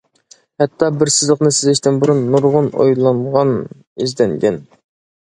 ھەتتا بىر سىزىقنى سىزىشتىن بۇرۇن نۇرغۇن ئويلانغان ئىزدەنگەن.